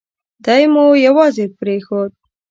دای مو یوازې پرېښود.